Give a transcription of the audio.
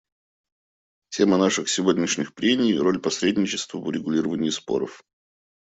Тема наших сегодняшних прений — «Роль посредничества в урегулировании споров».